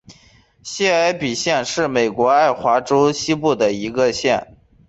谢尔比县是美国爱阿华州西部的一个县。